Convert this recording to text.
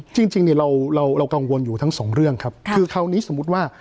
จริงจริงเนี่ยเราเรากังวลอยู่ทั้งสองเรื่องครับคือคราวนี้สมมุติว่า